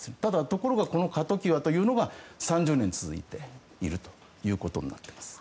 ところがこの過渡期はというのが３０年続いているということになっています。